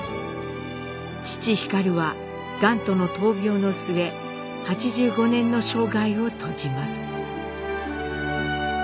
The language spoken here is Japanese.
父皓はがんとの闘病の末８５年の生涯を閉じます。